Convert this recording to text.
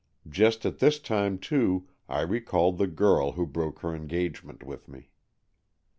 Just at this time too, I recalled the girl who broke her engagement with me.